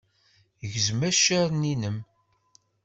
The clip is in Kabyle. Gzem accaren-innem.